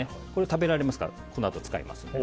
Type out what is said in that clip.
これ、食べられますからあとで使います。